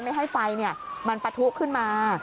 ไม่ให้ไฟมันปะทุขึ้นมา